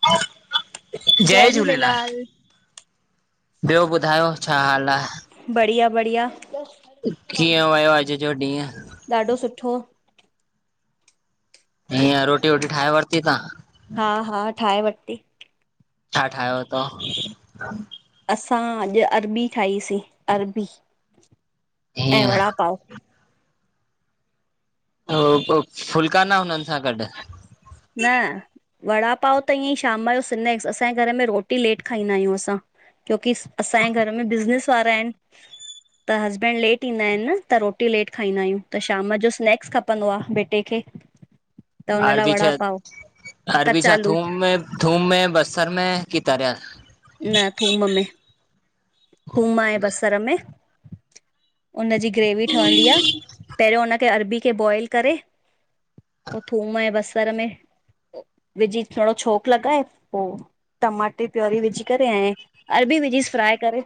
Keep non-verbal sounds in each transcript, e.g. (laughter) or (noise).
(inaudible) जय झूलेलाल ॿियो ॿुधायो छा हाल आ? बढ़िया-बढ़िया कीअं वयो अॼ जो ॾींय? ॾाढो सुठो। ईअं रोटी वोटी ठाहे वरती ता? हा -हा ठाहे वरिती। छा ठाहियो तौ? असां अॼु अरबी ठाहीसीं अरबी, ऐं हीअं वड़ा पाव। फुल्का न हुननि सां गॾु। न वड़ा पाव त ईअं ई शाम जो स्नैक्स असांजे घर में रोटी लेट खाईंदा आहियूं असां। क्योकी असांजे घर में बिज़नस वारा आहिनि। त हस्बैंड लेट ईंदा आहिनि न त रोटी लेट खाईंदा आहियूं। त शाम जो स्नैक्स खपंदो आहे बेटे खे त हुन लाऐ वड़ा पाव अरबि छा कचालू थूम में, थूम में, बसर में की तरयल? न थूम में, थूम ऐं बसर में हुननजी ग्रेवी ठहंदी आ। पहिरियों उनखे अरबी खे बॉइल करे पो थूम ऐं बसर में विझी थोरो छोक लॻाए पो टमाटे पयोरी विझ करें आऐं, अरबी विझ फ्राए करे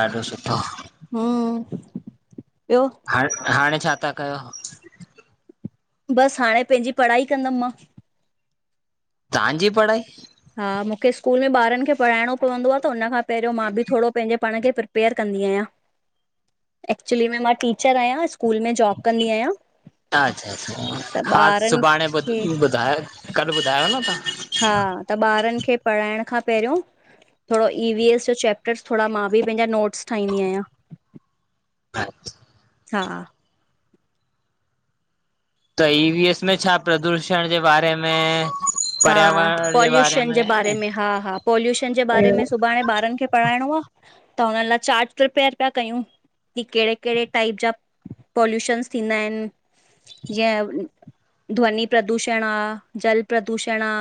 ॾाढो सुठो। हम ॿियो? हाणे- हाणे छा था कयो? बसि हाणे पंहिंजी पढ़ाई कंदमि मां। तांजी पढ़ाई? हा मूंखे स्कूल में ॿारनि खे पढ़ाइणो पवंदो आहे त हुन खां पहिरियों मां बि थोरो पंहिंजे पाण खे पेयर कंदी आहियां। एक्चुली में मां टीचर आहियां। स्कूल में जॉब कंदी आहियां। अच्छा अच्छा हा त खाद ॿारनि सुभाणेध खे कल्ह ॿुधायो न तव्हां? हा त ॿारनि खे पढ़ाइण खां पहिरियों थोरो ई वी एस जो चैप्टरस थोरा मां बि पंहिंजा नोट्स ठाहींदी आहियां। अचछा हा त ई वी एस में छा प्रदूषण जे बारे में हा पर्यावरण जे बारे पॉल्युशन जे बारे में हा -हा पॉल्युशन जे बारे में सुभाणे ॿारनि खे पढ़ाइणो आ त हुन लाइ चार्ज रुपया रुपिया कयूं। की कहिड़े कहिड़े टाइप जा पॉल्युशनस थींदा आहिनि? जीअं ध्वनि प्रदूषण आ, जल प्रदूषण आ।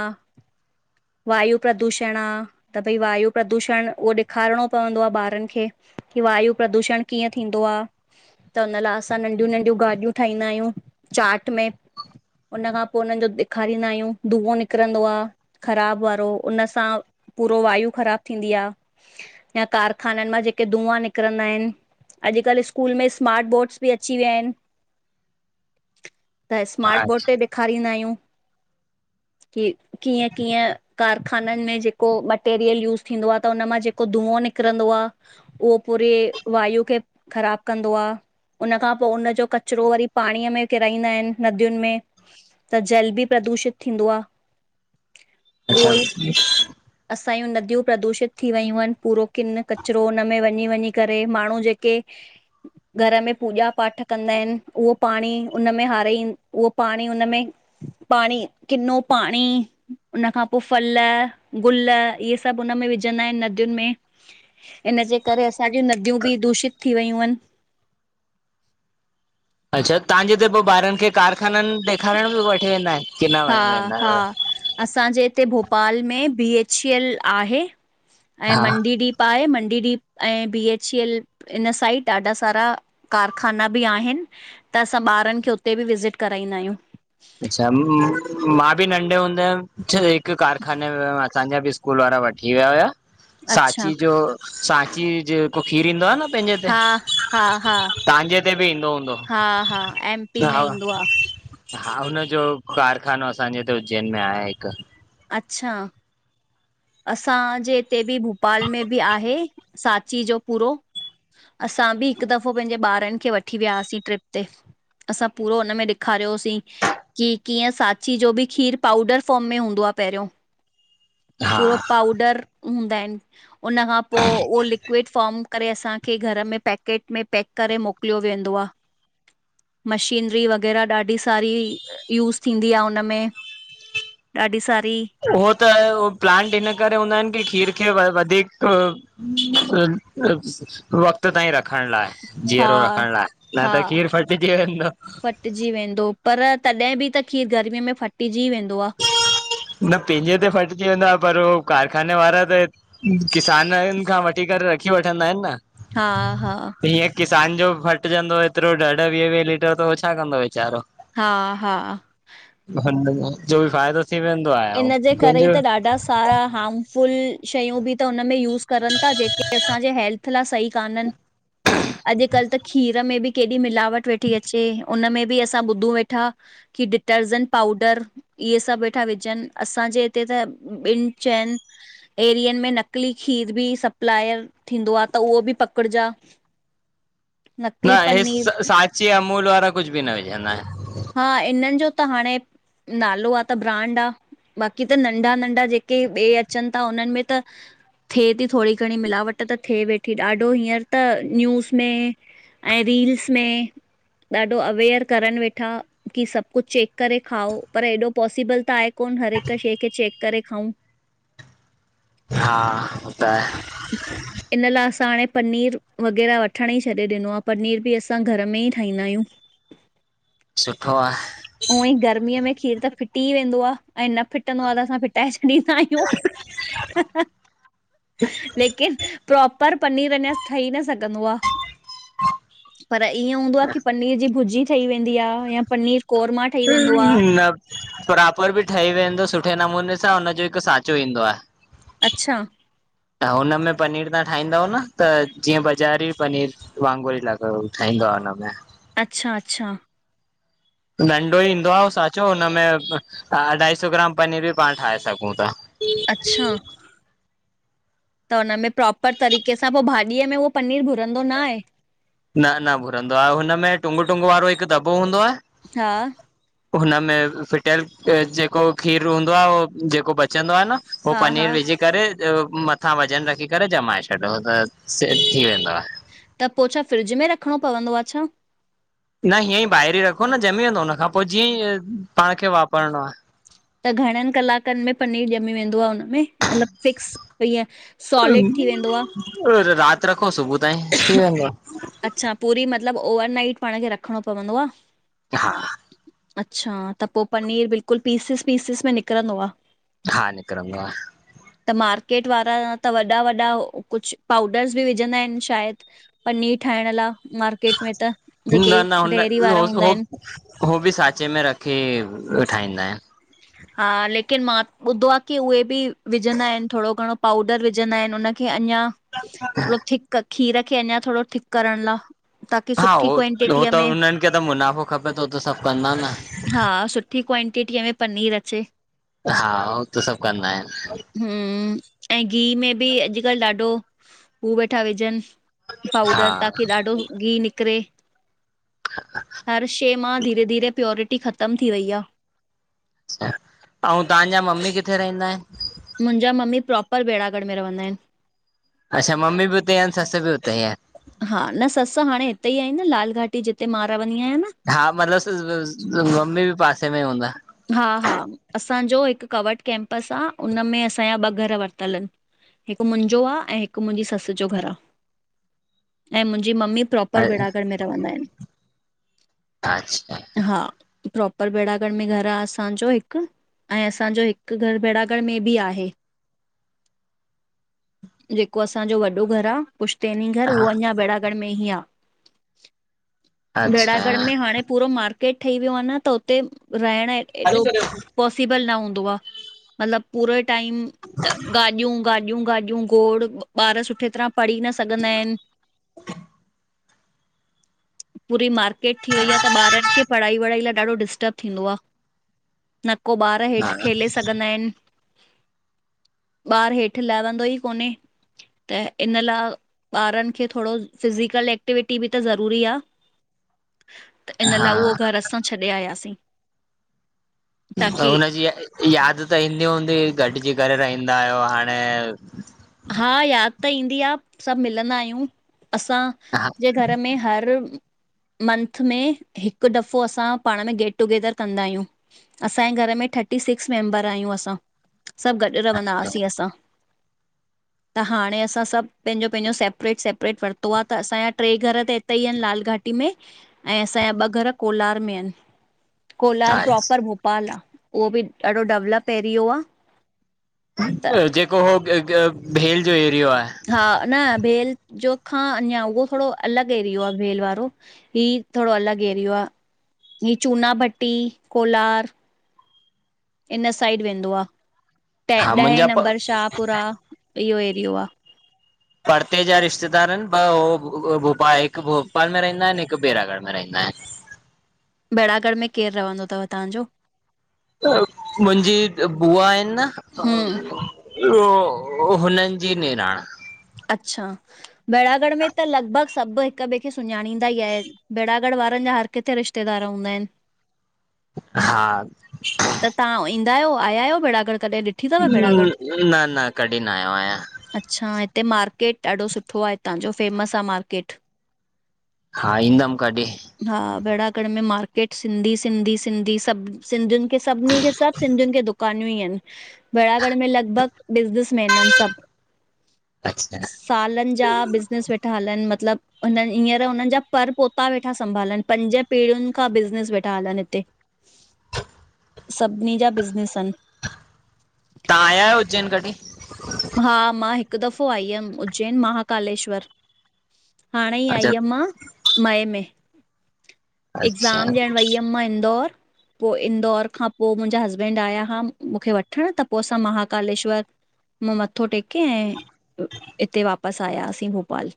वायु प्रदूषण आ त भई वायू प्रदूषण उहो ॾेखारिणो पवंदो आहे ॿारनि खे की वायु प्रदूषण कीअं थींदो आ? त हुन लाइ असां नंढियूं -नंढियूं गाॾियूं ठाहींदा आहियूं चाट में हुनखां पोइ हुननि जो ॾेखारींद्ा आहियूं। धुओं निकिरंदो आ, ख़राबु वारो, उन सां पूरो वायू ख़राब थींदी आ। या कारखाननि मां जेके धुआ निकरंदा आहिनि। अॼुकल्ह स्कूल में स्मार्ट बोर्ड्स बि अची विया आहिनि। त स्मार्ट बोर्ड अच्छा ते ॾेखारींदा आहिक्ष। यूं की कीअं कीअं कारखानन में जेको मटेरियल यूस थींदो आह त उन मां जेको धुओं निकिरंदो आह। उहो पूरे वायु खे ख़राब कंदो आह। उन खां पो उन जो कचरो वरी पाणीअ में किराईंदा एन नदियुन में। त जल बि प्रदूषित थींदो आह। अच्छा (inaudible) असांई नदियूं प्रदूषित थी वियूं एन पूरो किन कचरो उन में वञी वञी करे माण्हू जेके के घर में पूॼा पाठ कंदा एन उहो पाणी उनमें हारई उहो पाणी उनमें पाणी किनो पाणी हुन खां पो फल गुल इहे सभु हुनमें विझंदा एन नदियुन में इनजे करे असांजी नदियूं बि दूषित थी वियूं यन। अच्छा तव्हांजे हिते पो ॿारन खे कारखानन डिखारण बि वठी वेंदा एन? हा हा। असांजे हिते भोपाल में बी एच ई एल आहे ऐं हा मंडी डीप पाए मंडी डीप ऐं B H C L inside ॾाढा सारा कारखाना बि आहिन त असां ॿारन खे उते बि विज़िट कराईंदा आहियूं। अच्छा मां बि नंढे हूंद हुम हिकुश कारखाने में हुयम असांजा बि स्कूल वारा वठी विया हुया अच्छा सांची जो सांची जेको खीरु ईंदो आह न। हा हा हा तव्हांजे हिते बि ईंदो हूंदो हा हा एम पी में हा। ईंदो आहे हा हुनजो कारखानो असांजे हिते उज्जैन में आहे हिक। अच्छा! असांजे हिते बि भोपाल में बि आहे सांची जो पूरो। असां बि हिक दफ़ो पेंजे ॿारन खे वठी वियासीं। ट्रिप ते असां पूरो हुनमें ॾेखारियोसीं की कीअं साची जो बि खीर पाउडर फॉर्म में हूंदो आह। पहियो हा पूरो पाउडर हूंदा एन। उन खां पो उहो लिक्विड फॉम करे असांखे घर में पैकेट में पैक करे मोकलियो वेंदो आह। (inaudible) मशीनरी वग़ैरहा ॾाढी सारी यूज़ थींदी आह उनमें। ॾाढी सारी हो त प्लांट हिन करे हूंदा एन की खीर खे वधीक वक़्त ताईं रखण लाइ। हा जीअरो रखण लाइ न त खीर फटजी वेंदो। फटजी वेंदो पर तॾह बि त खीर गर्मीअ में फटजी वेंदो आह। न पेंजे ते फटिजी वेंदो आह पर उहो कारखाने वारा त किसानन खां वठी करे रखी वठंदा एन न। हा हा। हीअं किसान जो फटजंदो एतरो ॾहढ वीह वीह लीटर त हो छा कंदो वीचारो? हा हा। हुन जो बि फ़ाइदो थी वेंदो आह अऊं इनजे करे ई पेंजो त ॾाढा सारा हार्मफुल शयूं बि त हुनमें यूस करन ता जेके असांजे हेल्थ ला सही कानन। अॼकल्ह त खीर में बि केॾी मिलावट वेठी अचे उन में बि असां ॿुधूं वेठा की डिटर्जेंट पाउडर इहे सभ हेठा वि चन असांजे हिते त ॿिन चन एरियन में नकली खीर बि सप्लायर थींदो आहे त उहो बि पकड़जा। न नकली हे पनीर स सांची अमूल वारा कुझु बि न विझंदा आहिन्। हा, इन्हनि जो त हाणे, नालो आ त ब्रांड आ। बाक़ी त नंढा- नंढा जेके ॿे अचनि था। उन्हनि में त थे थी थोड़ी घणी मिलावट त थे वेठी ॾाढो हींअर त न्यूज़ में ऐं रील्स में, ॾाढो अवेयर करन वेठ ठा कि सभु कुझु चेक करे खाओ, पर एॾो पॉसिबल त आहे कोन्ह, हर हिक शइ खे चेक करे खाऊं। हा ब (unintelligible) इन लाइ असां हाणे पनीर वग़ैरह वठण ई छॾे ॾिनो आ, पनीर बि असां घर में ई ठाहींदा आहियूं। सुठो आहे। ऊअं ई गर्मीअ में खीर त फिटी ई वेंदो आ। ऐं न फिटंदो आहे त, असां फिटाए छॾींदा आहियूं। लेकिन प्रोपर पनीर अञा ठही न सघ घंदो आ, पर ईअं हूंदो आ कि पनीर जी भुजी ठही वें दी आ या पनीर कोरमा ठही वेंदो आहे न, प्रॉपर बि ठही वेंदो सुठे नमूने सां हुन जो हिकु सांचो ईंदो आहे। अच्छा। त हुनमें पनीर तहां ठाहींदव न त जीअं बाज़ार पनीर वांगुर ई लॻे ई ठईंदो आ उन में। अच्छा- अच्छा। नंढो ई ईंदो आहे ऊ सांचो, हुनमें अढाई सौ ग्राम पनीर बि पाण ठाहे सघूं था। अच्छा। त हुनमें प्रोपर तरीक़े सां, पो भाॼीअ में उहो पनीर घुरंदो न आहे? न न भुरंदो आहे हुनमें टुंगु- टुंगु वारो हिकु दॿो हूंदो आहे हा। हुनमें फिटियल जेको खीर हूंदो आहे होह जेको बचंदो आहे न पो हा हा पनीर विजी करे मथां वज़न रखी करे ॼमाए छॾियो त सेट थी वेंदो आहे। त पोइ छा फ्रिज में रखिणो पवंदो आ छा? न हीअं ई ॿाहिरि ई रखो न ॼमी वेंदो हुन खां पोइ जीअं ई पाण खे वापरणो आहे। त घणनि कलाकनि में पनीर ॼमी वेंदो आहे हुन में? मतलबु फिक्स ईंअं। सॉलिड थी वेंदो आह? रात रखो, सुबुह ताईं थी वेंदो आ। अच्छा पूरी मतलबु, ओवरनाइट पाण खे रखिणो पवंदो आह। हा। अच्छा त पोइ पनीर बिल्कुलु पीसिस- पीसिस में निकिरंदो आहे? हा निकिरंदो आ। त मार्केट वारा त वॾा- वॾा, कुझु पाउडर्स बि विझंदा आहिनि शायदि? पनीर ठाहिण लाइ मार्केट में त, जेके न न हुन डेरी वारा हूंदा हो आहिनि। हो बि सांचे में रखे, ठाहींदा आहिनि। हा लेकिन मां ॿुधो आहे की उहे बि, विझंदा आहिनि थोरो घणो पाउडर विझंदा आहिनि उन क अञा थोरो थिक खीर खे अञा थोरो थिक करण ला हा, हो, हो त हुनन्हि खे त मुनाफ़ो खपे तो त सभु कंदा न। हा, सुठी क्वांटिटीअ में पनीर अचे। हा उहो त सभु कंदा आहिनि। हम्म, ऐं गिह में बि अॼुकल्ह ॾाढो हू वेठा विझनि। हा पाउडर ताकी ॾाढो गीहु निकिरे। हर शे मां धीरे-धीरे प्योरिटी ख़तम थी वई आ अच्छा, अंउं तहांजा मम्मी किथे रहिंदा हिन? मुंजा मम्मी, प्रोपर बेड़ागढ़ में रव्हंदा हिन। अच्छा मम्मी भी उते आइन, ससु भी उते आइन। हा, न ससु हाणें हिते ई आईन न लाल घाटी जिते मां रव्हंदी आहियां न। हा मतिलबु स सु सु सु मम्मी बि पासे में हूंदा। हा-हा असांजो हिकु कवड कैंपस आ, उन में असांजा ॿ घर वरितल इनि हिकु मुंजो आ, ऐं हिकु मुंजी ससु जो घर आ, ऐं मुंजी मम्मी प्रोपर बेड़ागढ़ में रवंदा इन। आच्छा हा, प्रोपर बेड़ागढ़ में घर र असांजो हिकु, ऐं असांजो हिकु घर बेड़ागढ़ में बि आहे। जेको असांजो वॾो घर आ पुश्तैनी घर उहो हा अंञां बेड़ागढ़ में ही आ। अच्छा बेड़ागढ़ में हाणे पूरो मार्केट ठही वियो आ न त उते रहिंण ऐं एॾो पॉसिबल न हुंदो आ, मतिलब पूरे टाइम गाॾियूं, गाॾियूं, गाॾियूं, गोड़ ॿार सुठे तरह पढ़ी न सघंदा इनि। (inaudible) पूरी मार्केट थी वई आ त ॿारनि खे पढ़ाई- वढ़ाई लाए ॾाढो डिस्टर्ब थींदो आ न को ॿार हेठि हा खेले सघंदा इनि (inaudible) ॿार हेठ लव्हंदो ई कोने त इन ला, ॿारनि खे थोड़ो फिज़िकल एक्टिविटी बि त ज़रूरी आ। (inaudible) त इन ला, उओ हा घर असां छॾे आयासीं। त ताकी हुनजी याद त ईंदी हूंदी गॾिजी करे रहिंदा आहियो हाणें? हा याद त ईंदी आ, सभु मिलंदा आहियूं असां। हा जे घर में हर मंथ में हिकु दफ़ो असां पांण में गेटटुगेदर कंदा आहियूं। असांयें घर में थर्टी सिक्स मेंबर आहियूं असां, सभु गॾु रवंदा हा सीं असां। त हाणे असां सभु, पंहिंजो-पंहिंजो सेपरेट- सेपरेट वरितो आ त असांजा ट्रे घर त इत तेई इन लाल घाटी में, ऐं असांया ॿ घर कोलार में इन। कोलार हा, प्रोपर भोपाल आ, उहो बि ॾाढो डवलप एरियो आ बस जेको हो हिकु भेल जो एरियो आहे। हा न भेल जो खां अञां, उहो थोड़ो अलॻ एरियो आ भेल वारो। ही थोड़ो अलॻि एरियो आ, ही चूना भट्टी कोलार इन साइड वेंदो आ, हा टेन ॾहें मुंहिंजा नंबर शाहपुरा इह्यो एरियो आ। परते जा रिश्तेदार इन ॿ हो भो भोपाल हिकु भोपाल में रहिंदा इनि, हिक -कु, बेरागढ़ में रहिंदा इनि। बेड़ागढ़ में केर रव्हंदो तव तहांजो? त मुंजी बुआ इन न हम्म, ओ हुननि जी निरांण अच्छा, बेड़ागढ़ में त लॻभॻ सभु हिक ॿे खे सुञाणींदा ई आइन। बेड़ागढ़ वारन जा हर किथे रिश्तेदार हूंदा इनि। हा त तव्हां ईंदा आहियो, आया आहियो बेड़ागर कॾहिं ॾि न-न कॾी न आयो आहियां। अच्छा, हिते मार्केट ॾाढो सुठो आ हितां जो फेमस आ मार्केट। हा ईंदम कॾी। हा बेड़ागढ़ में मार्केट सिंधी, सिंधी, सिंधी सब, सब सिंधियुनि कि सभिनी खे सभ सिंधीयुन खे दुकानियूं ई आइन बेड़ागढ़ में लॻभॻ बिज़नेस मैन आहिन सब। अच्छा सालनि जा बिज़नेस वेठा हलन मतलब। हुननि हींअर हुननि जा पर पोता वेठा संभालन, पंज पीढ़ियुनि खां बिज़नेस वेठा हलन हिते। सभिनी जा बिज़नेस आहिनि। तव्हां आया आहियो उज्जैन कॾहिं? हा मां हिक दफ़ो आई हुयमि उज्जैन माहाकालेश्वर। हाणे ही अच्छा आईहमि मां, मई में। अच्छा एक्ज़ाम ॾियण वई हुयमि मां इंदौर पो इंदौर खां पो मुंजा हस्बैंड आया आ मूंखे वठण त पो असां माहाकालेश्वर मथो टेके ऐं हिते वापसि आयासीं भोपाल।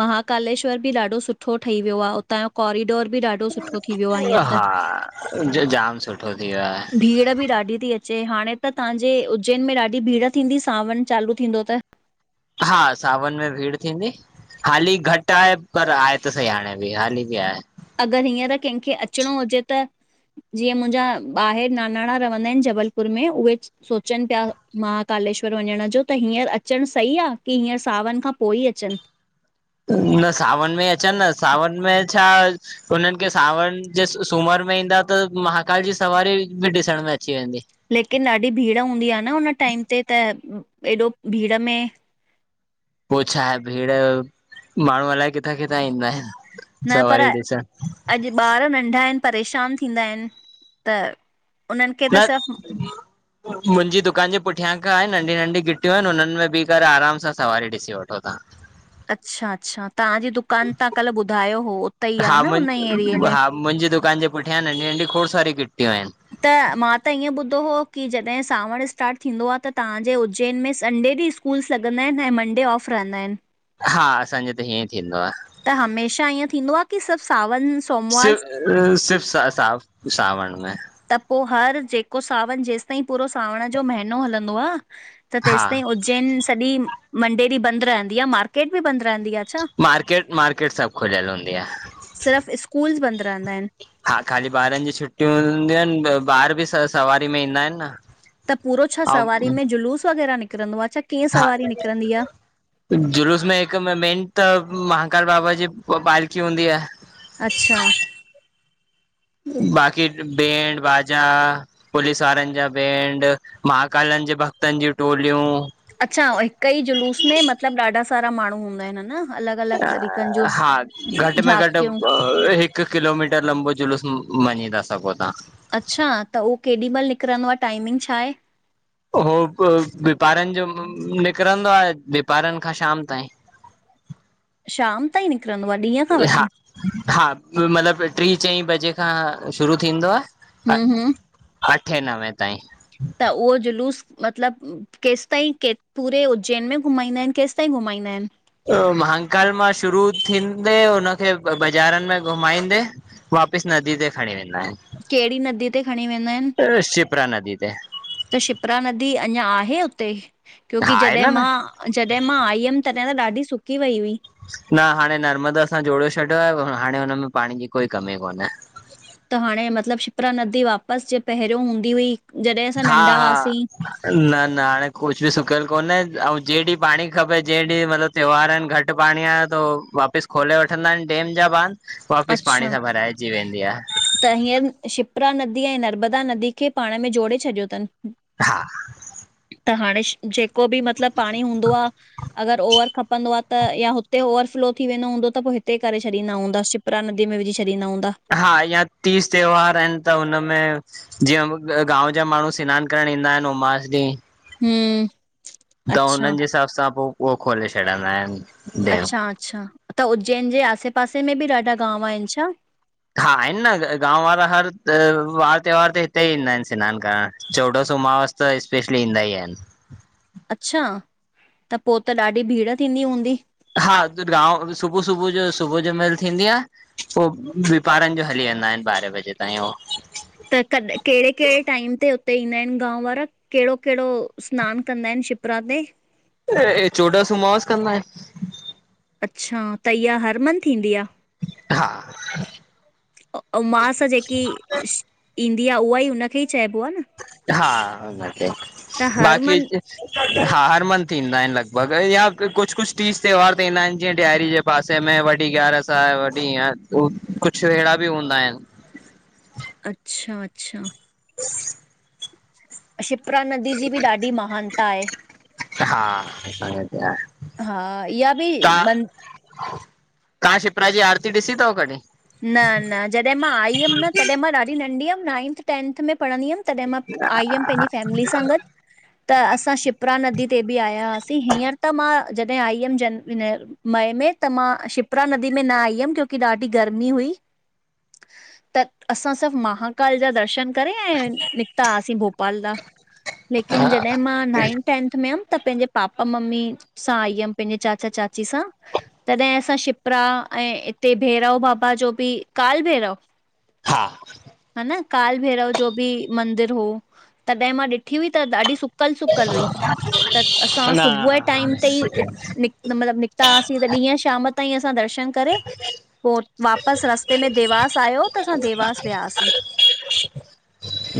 महाकालेश्वर बि ॾाढो सुठो ठही वियो आ, उतां जो कारीडोर बि ॾाढो सुठो थी वियो आ हीअंर त, हा जो जाम सुठो थी वियो आहे भीड़ बि ॾाढी थी अचे चे हाणे त तव्हांजे उज्जैन में ॾाढी भीड़ थींदी सावण चालू थींदो त। हा, सावन में भीड़ थींदी। हाली घट आहे पर, आहे त सही हाणे बि हाली बि आहे। अगर हींअर कंहिंखे अचिणो हुजे त? जीअं मुंजा ॿाहिरि नानाणा रहंदा आहिनि जबलपुर में उहे सोचनि पिया माहाकालेश्वर वञण जो त हींअर अचण सही आ की हींअर सावन खां पो ही अचनि? न सावन में अचनि न, सावन में छा हुननि खे सावण जे सूमर में ईंदा त महाकाल जी सवारी बि ॾिसण में अची वेंदी। लेकिन ॾाढी भीड़ हूंदी आ न हुन टाइम ते, त एॾो भीड़ में? पो छाहे, भीड़ माण्हू अलाए किथां-किथां ईंदा आहिनि। न पर सवारी ॾिसण अॼु ॿार नंढा आहिनि परेशान थींदा आहिनि त उन्हनि खे त न सिर्फ़ मुंजी दुकान जे पुठियां खां आहे नंढी नंढी गिटियूं आहिनि हुननि में भीह करे आराम सां सवारी ॾिसी वठो तव्हां। अच्छा अच्छा! तव्हांजी दुकान तव्हां कल्ह ॿुधायो हो उतई आ न हुन ही एरिए में। मुंजी दुकान जे पुठियां नंढी नंढी खोड़ सारियूं घिटियूं आहिनि। त मां त ईअं ॿुधो हुओ की जॾहिं सांवण स्टार्ट थींदो आ त तव्हांजे उज्जैन में संडे ॾींंहं स्कू स्कूल्स लॻंदा आहिनि ऐं मंडे ऑफ रहंदा आहिनि? हा, असांजे हिते हीअं थींदो आ। त हमेशा ईअं थींदो आ की सिर्फ सावन? सि, सिर्फ अं सावण में। त पो हर जेको सावण जेसि ताईं पूरो सावण जो महीनो हलंदो आ त हा तेसिताईं उज् उज्जैन सॼी मंडे ॾीं बंद रहंदी आ, मार्केट बि बंदि रहंदी आ? छा? मार्केट-मार्केट सब खुलियल हूंदी आ। सिर्फ़ स्कूल्स बंद रहंदा आहिनि? हा खाली ॿारनि जी छुटियूं हूंदियूं आहिनि ॿार बि सवारी में ईंदा आहिनि न। त पूरो छा सवारी ऐं में जुलूस वग़ैरह निकिरंदो आ छा? कीअं हा। सवारी निकिरंदी आ? जुलूस में हिक ॿ मेन त महाकाल बाबा जी पालकी हूंदी आ। अच्छा। बाक़ी त बैंड बाजा। पुलिस वारनि जा बैंड, महाकालनि जे भक्तनि जी टोलियूं। अच्छा, हिक ई जुलूस में मतलबु ॾाढा सारा माण्हू हूंदा इन न। अलॻि अलॻि तरीक़नि जूं हा, घटि में घटि झांकियूं ॿ। हिकु किलोमीटर लंबो जुलूस मञी थां सघो तां। अच्छा, त उहो केॾी महिल निकिरंदो आ, टाईमिंग छा आहे? उहो हिकु विपारनि जो निकिरंदो आ विपारनि खां शाम ताईं। शाम ताईं निकिरंदो आ, ॾींहं खां हा वठी? हा मतिलबु ट्री चईं बजे खां शुरू थींदो आ। हम्म हम्म अठें नवें ताईं। त उहो जलूस मतिलबु। केसिताईं, के पूरे उज्जैन में घुमाईंदा इन केसिताईं घुमाईंदा इन। हू, महांकाल मां शुरू थींदे हुनखे बाज़ारनि में घुमाईंदे वापस नदी ते खणी वेंदा आहिनि। केड़ी नदीअ ते खणी वेंदा इन? शिप्रा नदी ते त शिपरा नदी अञां आहे उते? हा क्योंकी आहे जॾहिं न न मां जॾहिं मां आई हुयमि तॾहिं त ॾाढी सुकी वई हुई। न हाणे नर्मदा सां जोड़े छॾियो आहे, हाणे हुन में पाणी जी कोई कमी कोन्हे। त हाणे मतिलबु शिपरा नदी वापसि जे पहिरियों हूंदी हुई। जॾहिं असां हा नंढा हा। हुआसीं न न हाणे कुछु बि सुकियल कोन्हे ऐं जेहिं ॾींहुं पाणी खपे जहिं ॾींहुं मतिलबु त्योहार इन घटि पाणी आए तो वापसि खोले वठंदा आहिनि डेम जा बांध। वापिस पाणीअ अच्छा सां भराइजी वेंदी आ। त हींअर शिप्रा नदीअ ऐं नर्मदा नदीअ खे पाण में जोड़े छॾियो तनि। हा। त हाणे जेको बि मतिलबु पाणी हूंदो आ, अगरि ओवर खप खपंदो आ त, या हुते ओवरफफ़्लो थी वेंदो हूंदो त पोइ हिते करे छॾींदा हूंदासीं। शिप्रा नदीअ में विझी छॾींद हूंदा। हा यां तीज त्योहार आहिनि त उनमें। जीअं त गांव जा माण्हू स्नानु करण ईंदा आहिनि उमास ॾींहुं। हम्म। त अच्छा हुननि जे हिसाब सां पोइ उहो खोले छॾंदा आहिनि। डेम अच्छा अच्छा, त उज्जैन जे आसे पासे में बि ॾाढा गांव आहिनि छा? हा आहिनि न, गांव वारा हर वार त्योहार ते हिते ईंदा आहिनि स्नानु करण, चोॾसि उमावस। त स्पेशली ईंदा ई आहिनि। अच्छा, त पोइ त ॾाढी भीड़ थींदी हूंदी? हा त गांव, सुबुह सुबुह जो सुबुह जो महिल थींदी आ। पोइ विपारनि जो हली वेंदा इन ॿारहें बजे ताईं हो। त तॾ केड़े केड़े टाइम ते उते ईंदा आहिनि गांव वारा? केड़ो केड़ो स्नानु कंदा आहिनि शिप्रा ते? एं चोॾसि उमास कंदा इन। अच्छा, त इहा हर मन्थ थींदी आ। हा उउमास जेकी ईंदी आ, उहा ई उनखे ई चइबो आ न हा, हुनखे त हर बाक़ी मंथ हा, हर मंथ ईंदा आहिनि लॻभॻि या कुझु कुझु त टीज त्योहार तें ईंंदा आहिनि, जीअं ॾियारी जे पासे में वॾी ग्यारस आहे वॾी इअं, कुझु अहिड़ा बि हूंदा आहिनि अच्छा, अच्छा ह शिपरा नदी जी बि ॾाढी महानता आहे। हा तव्हां हा, इहा बि मं तां शिप्रा जी आरती ॾिसी थव कॾीं? न, न। जॾहिं मां आई हुयमि न तॾहिं मां ॾाढी नंढी हुअमि, नाइंथ टेंथ में पढ़ंदी हुअमि तॾहिं मां आई यमि पंहिंजी फैमिली सां गॾु त असां शिपरा नदी ते बि आया हासीं। हींअर त मां जॾहिं आई हुअमि जन मए में त मां शिपरा नदी में न आई हुयमि, क्योकी ॾाढी गरमी हुई, त असां सब माहाकाल जा दर्शन करे आया, निकता हुआसीं भोपाल ला। लेकिन जॾहिं मां नाइंथ टेंथ में हमि, त पंहिंजे पापा ममी सां आई यमि पंहिंजे चाचा चाची सां तॾहिं असां शिपरा ऐं हिते भैरव बाबा जो बि, काल भैरव हा। हा न। काल भैरव जो बि मंदिर हो, तॾहिं मां ॾिठी हुई त ॾाढी सु सुकल सुकल हुई, त असां सुबुये टाइम ते ई न निक मतलबु निकिता हासीं, तॾीं हीअं शाम ताईं असां दर्शन करे पो वापस रस्ते में देवास आयो त असां देवास वियाहासीं।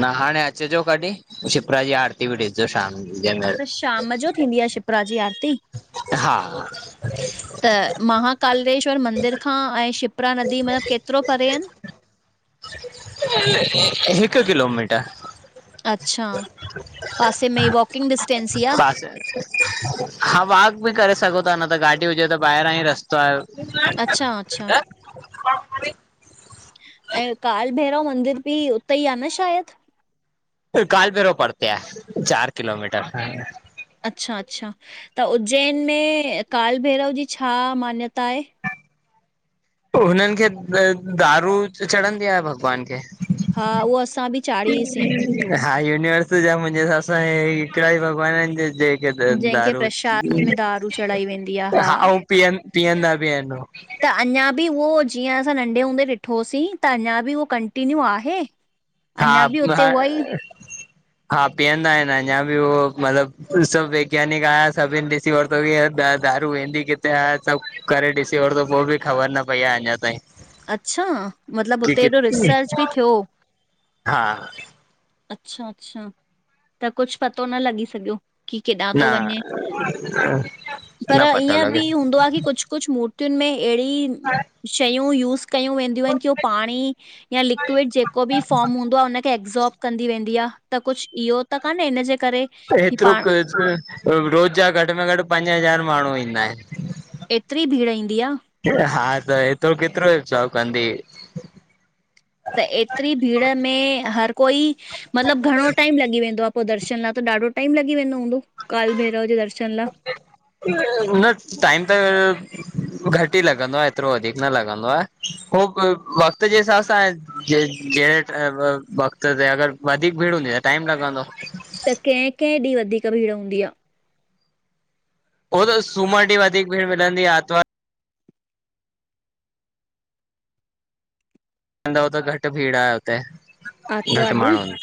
न हाणे अचजो कॾी, शिपरा जी आरती बि ॾिसजो शाम जनत त शाम जो थींदी आ शिपरा जी आरती? हा। त माहाकालेश्वर मंदिर खां ऐं शिप्रा नदी मतल केतिरो परे आन? हिकु किलोमीटर। अच्छा, पासे में वॉकिंग डिस्टेंस ई आ। अच्छा। हा वॉक बि करे सघो था न त गाॾी हुजे त ॿाहिरां ई रस्तो आहे। अच्छा अच्छा। (unintelligible) ऐं कालभैरव मंदिर बि उते ई आ न शायद? पर कालभैरो परते आहे, चार किलोमीटर। अच्छा-अच्छा, त उज्जैन में काल भैरव जी छा मान्यता आहे? हुननि खे दारू चढ़ंदी आहे भॻवान खे। हा, उहो असां बि चाढ़ीईसीं। हा, यूनिवर्स जा मुंहिंजे हिसाब सां हे ही हिकिड़ा ई भॻवान इन जे के जंहिंखे दारू प्रशाद में दारू चढ़ाई वेंदी आहे हा हाऊं पीअं पीअंदा बि आहिनि हो। त अञा बि उहो जीअं असां नंढे हूंदे ॾिठोहोसीं त अञा बि उहो कंटीन्यू आहे? अञा हा, बि उते उहा ई मए हा पीअंदा आहिनि अञा बि हो मतलबु सभु वैज्ञानिक आया सभिनि ॾिसी वरितो कि दारू वेंदी किथे आ, सब करे ॾिसी वरतो पोइ बि ख़बर न पई आ अञा ताईं। अच्छा, मतलबु की हुते कि एॾो रिसर्च बि थियो। हा। (unintelligible) अच्छा- अच्छा, त कुछु पतो न लॻी सघियो। कि केॾां थो न वंञे, पर न पतो ईअं लॻे बि हूंदो आ कि कुछु कुछु मूर् भितियुन में अहिड़ी शयूं यूज़ कयूं वेंदियूइन कि हो पाणी या लिक्विड जेको बि फॉर्म हूंदो आ उनखे एक् ऐब्सॉर्ब कंदी वेंदी आ, त कुछु इयो त कान्हे इन जे करे की हेतिरो पाण रोज़ जा घटि में घटि पंज हज़ार माण्हू ईंदा आहिनि। एतिरी भीड़ ईंदी आ? हा त एतिरो केतिरो ऐब्सॉर्ब कंदी। त एतिरी भीड़ में हर कोई मतिलब घणो टाइम लॻी वेंदो आ पो, दर्शन लाए त ॾाढो टाइम लॻी वेंदो हूंदो काल भैरव जे दर्शन लाए। न टाइम त (unintelligible) घटि ई लॻंदो आ, एतिरो वधीक न लॻंदो आ। हो वक़्त जे हिसाब सां जे व वक़्त ते अगर वधीक भीड़ हूंदी त टाइम लॻंदो। त कैं कैं ॾींहुं वधीक भीड़ हूंदी आ? उहो त सूमर ॾींहुं वधीक भीड़ मिलंदी आ आर्तवार ओ त घटि भीड़ आ हुते, आर्तवार घटि ॾींहुं माण्हू इन,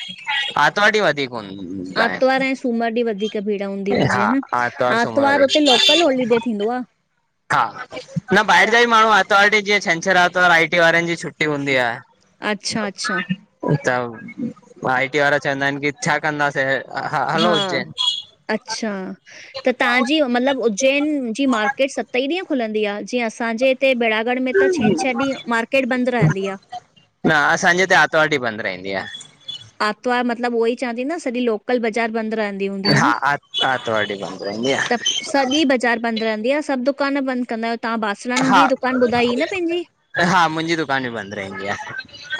आर्तवार ड़ींहुं वधीक हूनि आर्तवार ऐं सूमर ॾीं वधीक भीड़ हूं दी हूंदी हा आ न। आर्तवार सूमर आर्तवारु उते वधीक लोकल होलीडे थींदो आ? हा, न त ॿाहिर जा बि माण्हू आर्तवार ॾींहुं जीअं शनिशर आर्तवारु आई टी वारनि जी छुटी छुट्टी हूंदी आ। अच्छा, अच्छा, त आई टी वारा चअंदा आहिन कि छा कंदासे हे हा, अच्छा। त तव्हांजी न मतलब उज्जैन जी मार्केट सत्त ई ॾींहं खुलंदी आ? जीअं असांजे हिते बेडागढ गढ़ में त छेंछर ॾींह मार्केट बंद रहंदी आ। न असांजे हिते आर्तवार ॾींह बंद रहंदी आ। आरतवार मतलब उहो ई चां थी न सॼी लोकल बाज़ार बंद रहंदी हूंदी आहे हा, न? आर्तवार ॾीं बंद रहंदी आ। त सॼी बाज़ार बंद रहंदी आ, सभु दुकान बंद कंदा आहियो? तव्हां बासणन जी हा दुकानु ॿुधाई ही न पंहिंजी? हा मुंहिंजी दुकान बि बंदि रहंदी आहे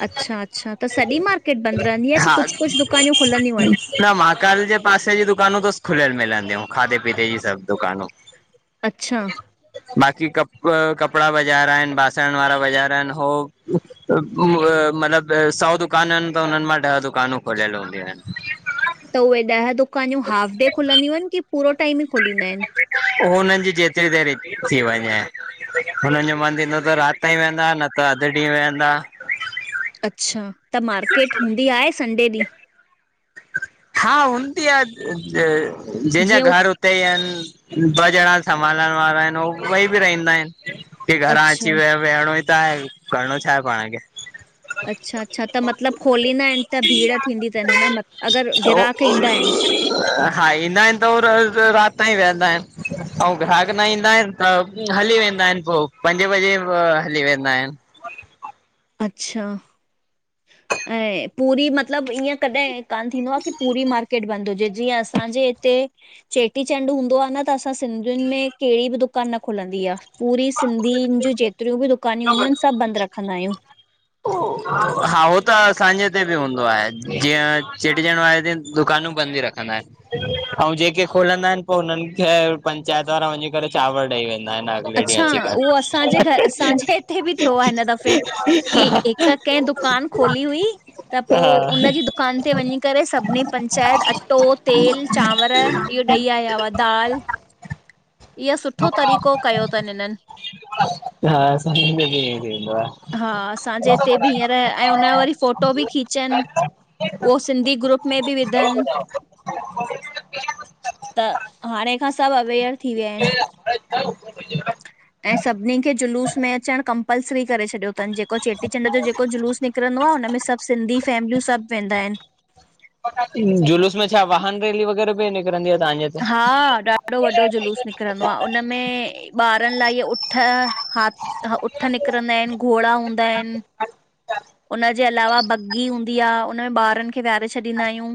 अच्छा- अच्छा। त सॼी मार्केट बंद रहंदी इअं कि हा कुछु कुछु दुकायूं खुलंदियूं आहिन? न महाकाल जे पासे जी दुकानूं त खुलियल मिलंदियूं खाधे पीते जी सब दुकानूं। अच्छा! बाक़ी कप कपिड़ा बाज़ार आहिन, बासण वारा बाज़ार आहिन हो मतलब सौ दुकांनु आहिन त हुनननि मां ॾह दुकानूं खुलियल हूंदियूं आहिन। त उहे ॾह दुकान्यूं हाफ डे खुलंदियूं आहिनि, कि पूरो टाइम ई खुलींदा आहिनि? हो हुननि जी जेतिरी देर थी वंञे। हुनन जो मन थींदो त रात तांईं वेयंदा न त अधु ॾींहं वेयंदा। अच्छा, त मार्केट हूंदी आहे संडे ॾींहुं? हा, हूंदी आ जें जेंजा जीअं उ घर उत्ते ई आइन, ॿ ॼणा संभालण वारा आइन उए बई बि राईंदा आइन। कि घरां अची अच्छा, व वेहणो ई त आहे, करणो छाहे पाण खे? अच्छा--अच्छा, त मतलब खोलींदा आहिन त भीड़ थींदी थनि न मतलब? हा, ईंदा आहिनि त हो रात ताईं विहंदा आहिन। अंउ ग्राहक न ईंदा आहिन त हली वेंदा आहिन पो, पंजे बजे हली वेंदा आहिन। अच्छा, ऐं पूरी मतलब ईअं कॾहिं ईअं कान थींदो आ की पूरी मार्केट बंद हुजे जीअं असांजे हिते चेटीचंड हूंदो आ न, त असां सि्धियुन में कहड़ी बि दुकान न खुलंदी आ। पूरी सिंधियुन जूं जेतरियूं बि दुकान्यूं हूंदियूं आहिन सभ बंद रखंदा आहियूं। हा, हो त असांजे हिते बि हूंदो आहे जीअं चेटीचंड वारे ॾीअ दुकानूं बंद ई रख अंऊ जेके खुलंदा आहिन पो हुनन खे पंचायत वारा वञी करे चांवर ॾेई वेंदा आहिन अच्छा, उहो असांजे घर असांजे हिते भी थियो आ हिन दफ़े। की हिक कंहिं दुकान खोली हुई त पो हा उन जी दुकान ते वञी करे सभनी पंचायत अट्टो, तेल, चांवर इयो ॾेई आया हुआ। दाल (inaudible) इहो सुठो तरीक़ो कयो थन इनन। हा असांखे हिन में बि ईअं थी वेंदो आहे। हा, असांजे हिते बि हींअर ऐं उन जा वरी फोट फोटो भी खीचन, उहो सिंधी ग्रुप में भी विधन। (unintelligible) त हाणे खां सभ अवेयर थी विया आहिन। ह ऐं सभिनी खे जुलूस में अचण कमपल्सरी करे छॾियउं उतां जेको चेटी चंड जो जेको जुलूस निकरंदो आ। हुनमें सभ सिंधी फैमिलियूं सभु वेंदा आहिन। जुलूस में छा वाहन रैली वगैरह भी निक निकरंदी आ तांजे हिते? हा ॾाडो वॾो जुलूस निकरंदो आ। उन उन में ॿारन लाए इअ उठ हा हा, उठ निकरंदा आहिन, घोड़ा हूंदा आहिन। उनजे अलावा बघी हूंदी आ उनमे ॿारन खे विहारे छॾींदा आयूं।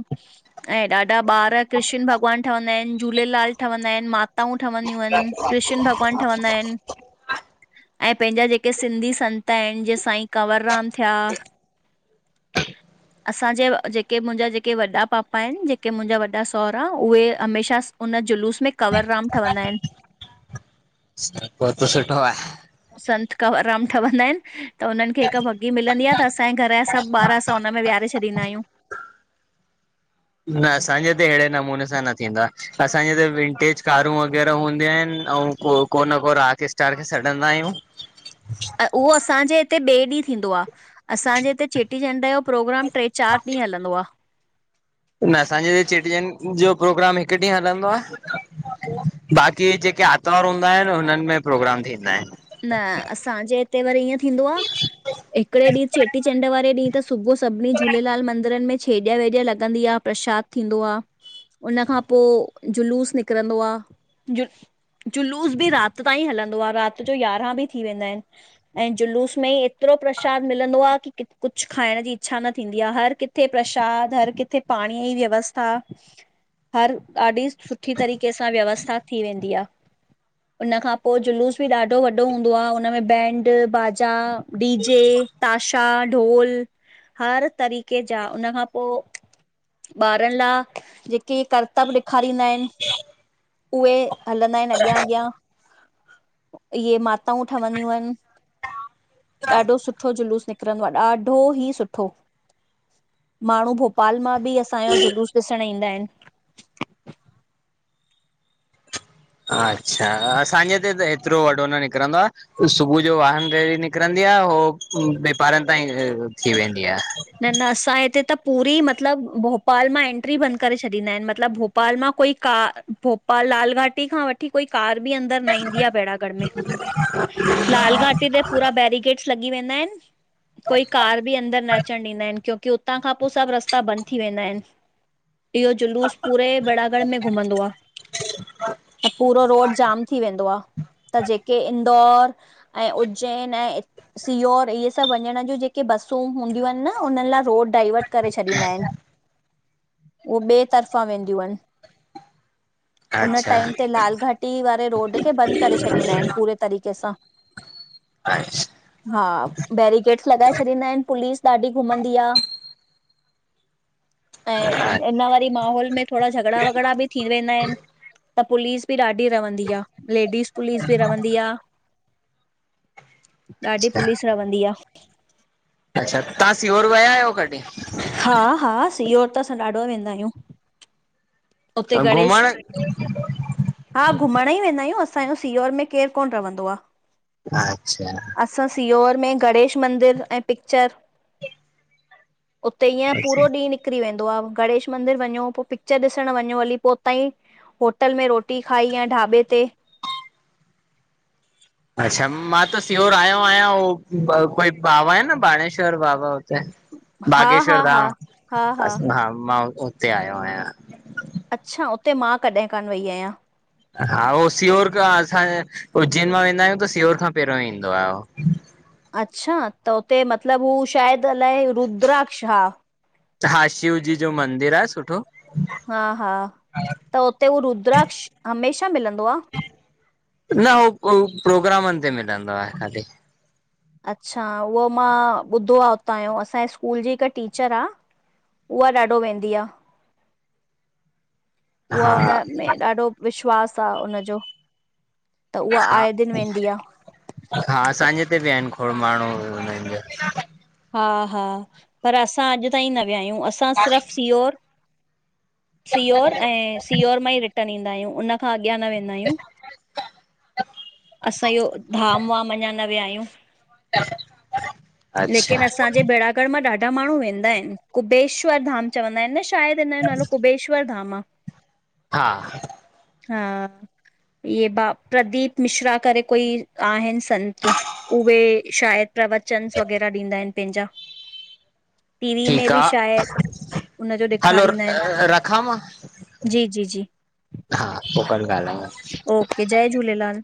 ऐं ॾाडा ॿार कृष्ण भॻवान ठवंदा आहिन, झूलेलाल ठवंदा आहिन मा माताऊं ठवंदियूं आहिन, कृष्ण भॻवान ठवंदा आहिन। ह ऐं पंहिंजा जेके सिंधी संत आहिन, जीअं साईं कंवरराम थिया (inaudible) असांजे जेके मुंहिंजां जेके वॾा पापा आहिन जेके मुंहिंजा वॾा सहुरा उहे हमेशा उन जुलूस में कवर राम ठवंदा आहिन पोइ त सुठो आहे। संत कंवरराम ठवंदा आहिन त हुनन खे हिक बुघी मिलंदी आ न त असांजे घर जा सभ ॿार असां हुन में विहारे छॾींदा आयूं न असांजे हिते अहिड़े नमूने सां न थींदो आ असांजे हिते विंटेज कारूं वग़ैरह हूंदयूं आहिन ऐं को न को राक स्टार खे सॾंदा आहियूं (inaudible) उहो असांजे हिते ॿिये ॾीह थींदो आ, असांजे हिते चेटीचंड जो प्रोग्राम टे चार ॾींहं हलंदो आ न असांजे हिते चेटीचंड जो प्रोग्राम हिक ॾींह हलंदो आहे बाक़ी जेके आरतवार हूंदा आहिन हुनन में प्रोग्राम थींदा आहिन न असांजे हिते वरी ईअं थींदो आ हिकड़े ॾींह चेटीचंड वारे ॾींह त सुबुह सभिनी झूलेलाल मंदरन में छेॼ वेॼ लॻंदी आ प्रशाद थींदो आ उन खां पो जुलूस निकरंदो आ जुलूस बि राति ताईं हलंदो आ, राति। त जो याराहि बि थी वेंदा आहिनि, ऐं जुलूस में ही एतिरो प्रसाद मिलंदो आ की की कुझु खाइण जी इच्छा न थींदी आ, हर किथे प्रशाद, हर किथे पाणीअ जी व्यवस्था हर ॾाढी सुठी तरीक़े सां व्यवस्था थी वेंदी आ। उनखां पो जुलूस बि ॾाढो वॾो हूंदो आ, हुनमें बैंड, बाजा, डिजे, ताश टा ढोल हर तरीक़े जा, उनखां पो ॿारनि ला ॼेक के करतबु ॾेखारींदा आहिनि, उहे हलंदा आहिनि अॻियां-अॻियां इहे माताऊं ठवंदियूं आहिनि, ॾाढो सुठो जुलूस निक निकिरंदो आ, ॾाढो ई सुठो, माण्हू भो पाल मां बि असांयो जुलूस ॾिसणु ईंदा आहिनि। अच्छा, असांजे हिते त एतिरो वॾो न निकिरंदो आ। सुबुह जो वाहन रेरी निकिरंदी आ, हो नेपारनि ताईं थी वेंदी आ। न न असां हिते त पूरी मतिलबु भोपाल मां एंट्री बंदि करे छॾींदा आहिनि, मतिलबु भोप भोपाल मां कोई कार, भोपाल लाल घाटी खां वठ की कोई कार बि अंदर न ईंदी आ बेड़ागढ़ में, लाल घाटी ते पूरा बैेरीगेडस लॻी वेंदा आइनि, कोई कार बि अंदर न अचण ॾींदा आहिनि, क्योकि हुतां खां पो सभु रस्ता बंदि थी वेंदा आहिनि। इयो जुलूस पूरे बेरागढ़ में घुमंदो आ। त पूरो रोड़ जाम थी वेंदो आ। त ॼेके इंदौर ऐं उज्जैन ऐं सियोर इहे सभु वञणु जूं ॼे के बसूं हूंदियूं आहिनि न, हुननि लाइ रोड डाइवर्ट करे छॾींदा आहिनि। उ ॿे तर्फ़ां वेंदियूं आहिनि। उन अच्छा टाइम ते लाल घाटी वारे रोड खे बंदि करे छॾींदा आहिनि पूरे तरीक़े सां। अएछ हा, बैरिगेटस लॻाए छॾींदा आहिनि पुलिस ॾाढी घुमंदी आ। ऐं इन वरी माहोल में थोडा झगड़ा- वगड़ा बि थी वेंदा आहिनि। त पुलिस बि ॾाढी रवंदी आ, लेडीस पुलिस बि रवंदी आ। ॾाढी अच्छा पुलिस रवंदी आ। अच्छा तां सीओर विया आहियो कॾी? हां हां सीओर त असां ॾाढो वेंदा आहियूं। उते अ गणेश घुमणु हा घुमण ई वेंदा आहियूं असांयो सीओर में केरु कोन रवंदो आ। अच्छा असां सीओर में गणेश मंदिर ऐं पिक्चर उते ईय पूरो अच्छा ॾींहुं निक निकरी वेंदो आ, गणेश मंदिर वञो, पो पिक्चर ॾिसण वञो हली, पो उतांई होटल में रोटी टी खाईय ढाॿे ते अच्छा, मां त सीओर आयो आयां उ ब बाबा आहिनि न बाणेश्वर बाबा हा हा बागेश्वर हा धाम, हा हा मां उते आयो आहियां। अच्छा उते मां कॾहिं कानि वई आहियां। हा उहो सीहोर खां असां उज्जैन मां वेंदा आहियूं त सीहोर खां पहिरियों ईंदो आ उहो। अच्छा त हुते मतिलबु हू शायदि अलाए रुद्राक्ष हा हा शिवजी जो मंदिर आह सुठो। हा हा त उते उ रुद्राक्ष हमेशा मिलंदो आ? न हू पो प्रोग्रामनि ते मिलंदो आहे खाली! अच्छा उहो मां ॿुधो आहे उतां जो असांजे स्कूल जी हिकु टीचर आ उहा ॾाढो वेंदी आहे! (inaudible) उहा उनमें ॾाढो विश्वास आहे उनजो! त उहा हा आए दिन वेंदी आ। हा असांजे इते विया‌ आहिनि खोड़ माण्हू उन्हनि जे हा-हा पर असां अॼु ताईं न विया आहियूं असां जा। सिर्फ़ु सीहोर सीहोर ऐं सीहोर मां ई रिटर्न ईंदा आहियूं उन खां अॻियां न वेंदा आहियूं! असां इहो धाम वाम अञा न विया आहियूं! (inaudible) केिन अच्छा असांजे बेरागढ़ मां ॾाढा माण्हू वेंदा आहिनि कुबेश्वर धाम चवंदा आहिनि न शायदि हिन जो नालो कुबेश्वर धाम आ! हा! हा (unintelligible) इहे बा प्रदीप मिश्रा करे कोई आहिनि संत! उहे शायदि प्रवचनस वग़ैरह ॾींदा आहिनि पंहिंजा! टी वी में ठीकु बि आहे शायदि उनजो हलो ॾेखारींदा रखां मां आहिनि जी- जी -जी! हा पोइ कल ॻाल्हायूं ओके जय झूलेलाल!